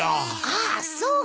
ああそうか。